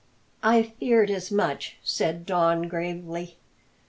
"I feared as much," said Don gravely.